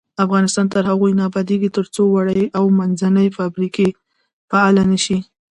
افغانستان تر هغو نه ابادیږي، ترڅو وړې او منځنۍ فابریکې فعالې نشي.